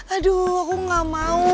aku nggak mau